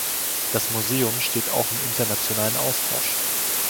Das Museum steht auch im internationalen Austausch.